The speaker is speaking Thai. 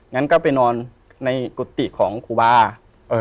งั้นก็ไปนอนในกุฏิของครูบาเอ่อ